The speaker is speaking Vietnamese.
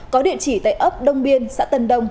có địa chỉ tại ấp đông biên xã tân đông